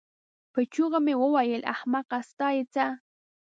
په چيغو مې وویل: احمقې ستا یې څه؟